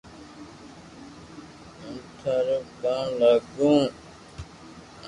ھون ٿاريو ڪاوُ لاگو